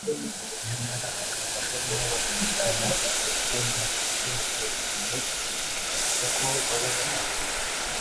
nyamara hakaba hari n’abahakana iby’iryo hungabana ry’umutekano bakavuga ko baba bahunze inzara